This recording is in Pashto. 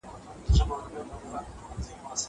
دا واښه له هغه پاکه ده!